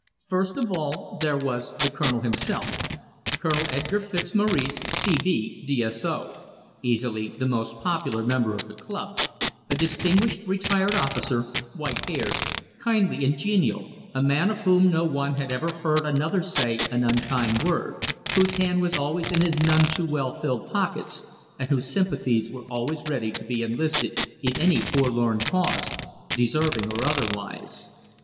First of all there was the Colonel himself, Colonel Edgar Fitzmaurice, C.B., D.S.O., easily the most popular member of the club, a distinguished retired officer, white haired, kindly and genial, a man of whom no one had ever heard another say an unkind word, whose hand was always in his none too well filled pockets, and whose sympathies were always ready to be enlisted in any forlorn cause, deserving or otherwise.